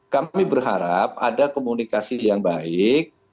kami berharap ada komunikasi yang baik